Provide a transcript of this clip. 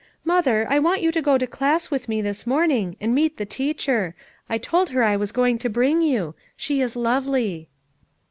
Mother, I want you to go to class with me this morning and meet the teacher; I told her I was going to bring you; she is lovely."